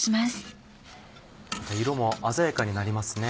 色も鮮やかになりますね。